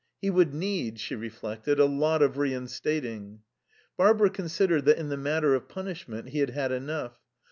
He would need, she reflected, a lot of reinstating. Barbara considered that, in the matter of punishment, he had had enough.